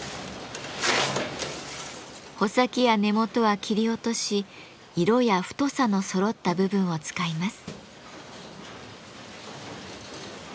穂先や根元は切り落とし色や太さのそろった部分を使います。